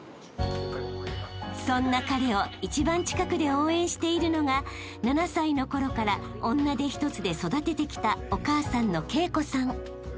［そんな彼を一番近くで応援しているのが７歳の頃から女手一つで育ててきた］